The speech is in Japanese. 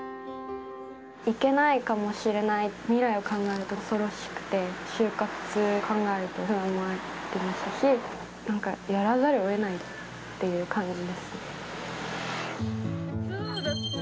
行けないかもしれない未来を考えると恐ろしくて、就活考えると不安もありましたし、なんかやらざるをえないという感じですね。